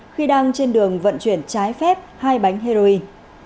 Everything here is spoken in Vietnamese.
khi đang trên đường vận chuyển trái phép hai bánh heroin